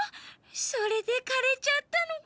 それでかれちゃったのか。